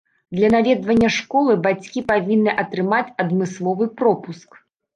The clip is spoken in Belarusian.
Для наведвання школы бацькі павінны атрымаць адмысловы пропуск.